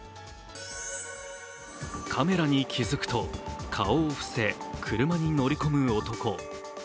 カメラに気づくと顔を伏せ、車に乗り込む男。